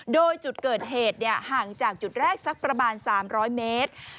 โดยจุดเกิดเหตุห่างจากจุดแรกสักประมาณ๓๐๐เมตร